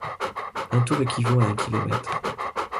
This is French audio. Un tour équivaut à un kilomètre.